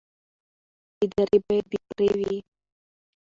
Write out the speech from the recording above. ادارې باید بې پرې وي